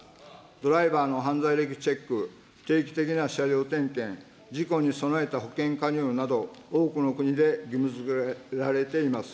ドライバーの犯罪歴チェック、定期的な車両点検、事故に備えた保険加入など、多くの国で義務づけられています。